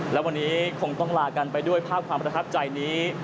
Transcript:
และวันนี้คงต้องลากันไปด้วยภาพความประทับใจนี้